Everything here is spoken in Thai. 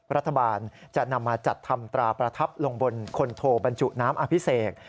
รัฐบาลจะนำมาจัดทำตราประทับลงบนคนโทบรรจุน้ำอภิเษก